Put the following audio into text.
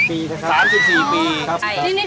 นี่คือลูกชายเหรอครับ